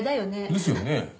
ですよね。